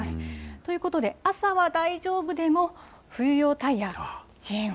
ということで、朝は大丈夫でも、冬用タイヤ、チェーンは。